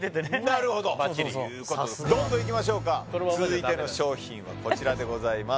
なるほどそうそうそうどんどんいきましょうか続いての商品はこちらでございます